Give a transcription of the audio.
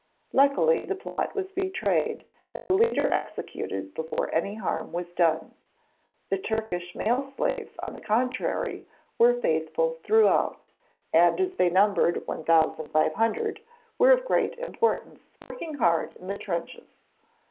Luckily the plot was betrayed and the leader executed before any harm was done. The Turkish male slaves, on the contrary, were faithful throughout, and as they numbered 1,500 were of great importance, working hard in the trenches.